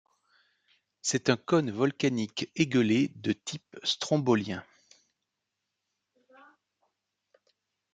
C'est un cône volcanique égueulé de type strombolien.